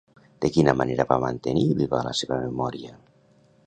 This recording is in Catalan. De quina manera va mantenir viva la seva memòria?